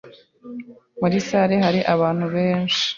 Muri salle hari abantu benshi.